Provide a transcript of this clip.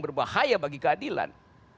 berbahaya bagi keadilan